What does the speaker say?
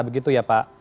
begitu ya pak